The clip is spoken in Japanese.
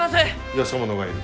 よそ者がいる。